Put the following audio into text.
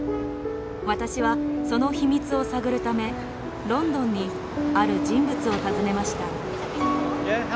私はその秘密を探るためロンドンにある人物を訪ねました。